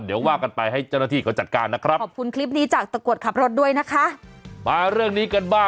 เดี๋ยวว่ากันไปให้เจ้าหน้าที่เขาจัดการนะครับ